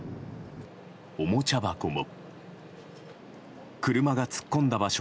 おもちゃ箱も。